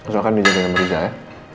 silahkan dijagain sama riza ya